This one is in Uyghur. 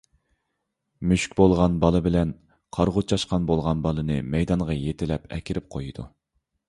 مۈشۈك بولغان بالا بىلەن قارىغۇ چاشقان بولغان بالىنى مەيدانغا يېتىلەپ ئەكىرىپ قويىدۇ.